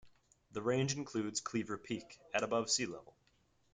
The range includes Cleaver Peak, at above sea level.